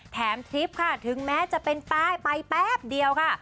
แถมทริปค่ะถึงแม้จะไปแป๊บเดียวค่ะ